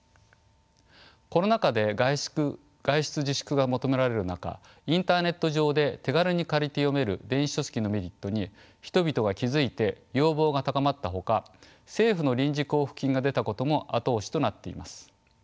コロナ禍で外出自粛が求められる中インターネット上で手軽に借りて読める電子書籍のメリットに人々は気付いて要望が高まったほか政府の臨時交付金が出たことも後押しとなっています。